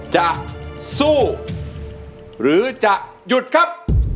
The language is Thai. จะสู้หรือจะหยุดครับ